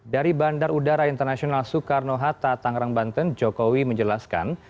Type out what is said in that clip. dari bandar udara internasional soekarno hatta tangerang banten jokowi menjelaskan